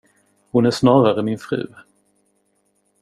Hon är snarare min fru.